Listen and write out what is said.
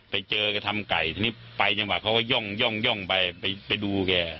ไปเจอกันทำไก่ไปจังหวัดเขาก็ย่องย่องไปดูแก